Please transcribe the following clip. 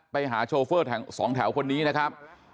โชเฟอร์๒แถวคนนี้นะครับ